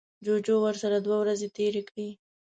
جوجو ورسره دوه ورځې تیرې کړې.